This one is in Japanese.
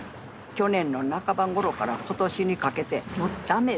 去年の半ば頃から今年にかけてもう駄目。